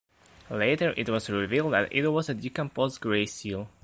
Later it was revealed that it was a decomposed grey seal.